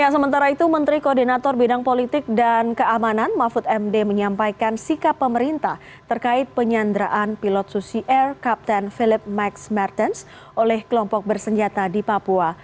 sementara itu menteri koordinator bidang politik dan keamanan mahfud md menyampaikan sikap pemerintah terkait penyanderaan pilot susi air kapten philip max mertens oleh kelompok bersenjata di papua